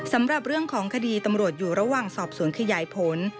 สำหรับเรื่องของคดีตำรวจอยู่ระหว่างสอบสวนขยายผล